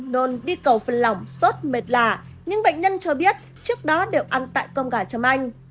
nôn đi cầu phân lỏng sốt mệt lạ nhưng bệnh nhân cho biết trước đó đều ăn tại cơm gà trâm anh